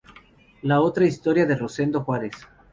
La otra historia de Rosendo Juárez.